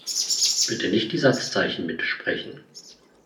Bitte nicht die Satzzeichen mitsprechen.